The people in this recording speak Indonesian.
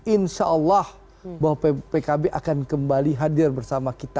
insya allah bahwa pkb akan kembali hadir bersama kita